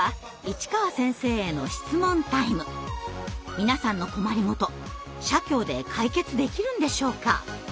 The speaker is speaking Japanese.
皆さんの困りごと社協で解決できるんでしょうか。